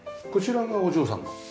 こちらがお嬢さんの？